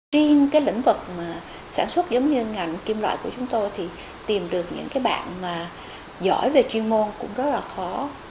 riêng cái lĩnh vực sản xuất giống như ngành kim loại của chúng tôi thì tìm được những bạn giỏi về chuyên môn cũng rất là khó